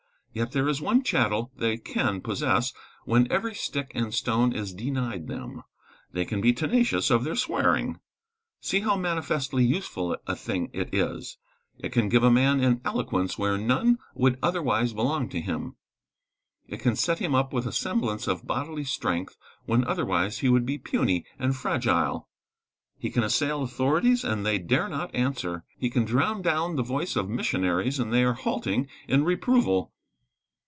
Yet there is one chattel they can possess when every stick and stone is denied them. They can be tenacious of their swearing. See how manifestly useful a thing it is! It can give a man an eloquence where none would otherwise belong to him. It can set him up with a semblance of bodily strength, when otherwise he would be puny and fragile. He can assail authorities, and they dare not answer. He can drown down the voice of missionaries, and they are halting in reproval.